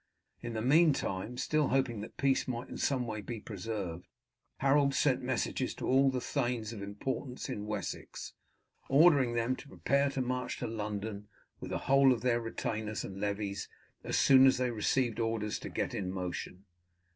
In the meantime, still hoping that peace might in some way be preserved, Harold sent messages to all the thanes of importance in Wessex, ordering them to prepare to march to London with the whole of their retainers and levies, as soon as they received orders to get in motion.